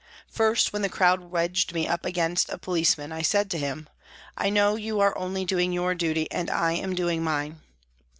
First when the crowd wedged me up against a policeman, I said to him :" I know you are only doing your duty and I am doing mine."